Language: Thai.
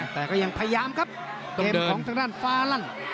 แต่ก็ยังพยายามครับเกมของทางด้านฟ้าลั่น